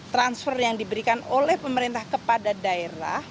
transfer yang diberikan oleh pemerintah kepada daerah